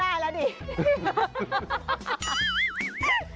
เอางั้นเล่าได้แล้วดิ